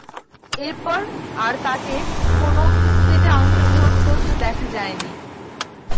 এরপর আর তাকে কোন টেস্টে অংশগ্রহণ করতে দেখা যায়নি।